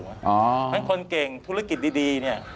เพราะฉะนั้นคนเก่งธุรกิจดีเนี่ย